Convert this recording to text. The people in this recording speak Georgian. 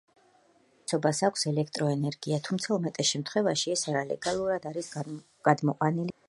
უმრავლესობას აქვს ელექტროენერგია, თუმცა უმეტეს შემთხვევაში ეს არალეგალურად არის გადმოყვანილი საქალაქო ქსელიდან.